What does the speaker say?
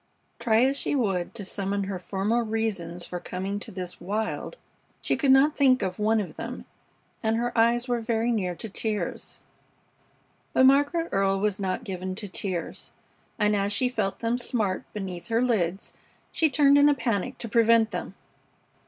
Try as she would to summon her former reasons for coming to this wild, she could not think of one of them, and her eyes were very near to tears. But Margaret Earle was not given to tears, and as she felt them smart beneath her lids she turned in a panic to prevent them.